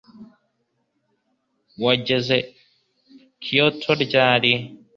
Wageze i Kyoto ryari